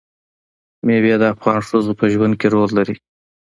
مېوې د افغان ښځو په ژوند کې رول لري.